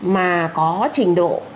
mà có trình độ